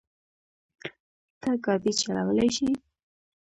ته ګاډی چلولی شې؟